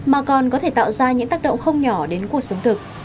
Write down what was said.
mà còn có thể tạo ra những tác động không nhỏ đến cuộc sống thực